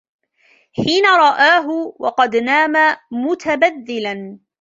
حِينَ رَآهُ وَقَدْ نَامَ مُتَبَذِّلًا